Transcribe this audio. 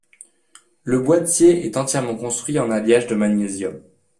Le boîtier est entièrement construit en alliage de magnésium.